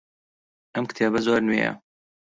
ئەم کتێبە زۆر نوێیە.